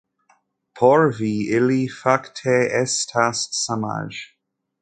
Por vi, ili fakte estas samaj.